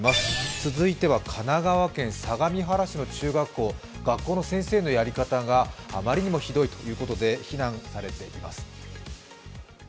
続いては相模原市の中学校、学校の先生のやり方があまりにもひどいということで、非難されています。